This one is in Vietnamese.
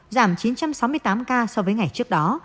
giảm chín trăm sáu mươi tám ca so với ngày trước đó